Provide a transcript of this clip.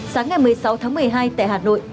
sáng ngày một mươi sáu tháng một mươi hai tại hà nội